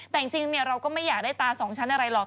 แต่จริงเราก็ไม่อยากได้ตาสองชั้นอะไรหรอก